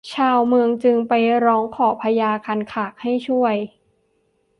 ชาวเมืองจึงไปร้องขอพญาคันคากให้ช่วย